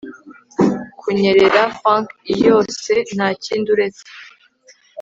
kunyererafunk iyose ntakindi uretse